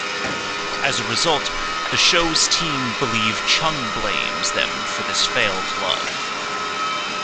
As a result, the show's team believe Chung blames them for this failed love.